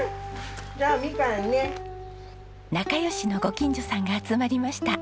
仲良しのご近所さんが集まりました。